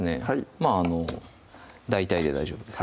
まぁあの大体で大丈夫です